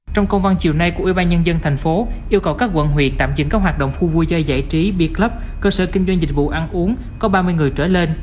trong công văn chiều nay của ủy ban nhân dân tp hcm yêu cầu các quận huyện tạm dựng các hoạt động phu vui do giải trí bia club cơ sở kinh doanh dịch vụ ăn uống có ba mươi người trở lên